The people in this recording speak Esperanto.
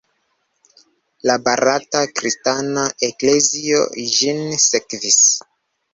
La barata kristana eklezio ĝin sekvis.